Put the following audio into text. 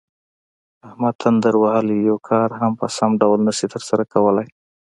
احمد تندر وهلی یو کار هم په سم ډول نشي ترسره کولی.